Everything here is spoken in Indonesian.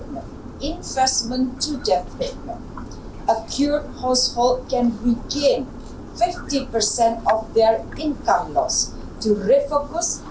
yang menjadi sumber tuberkulosis